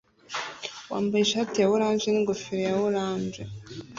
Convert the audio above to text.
wambaye ishati ya orange n'ingofero ya orange